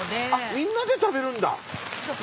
みんなで食べるんだ。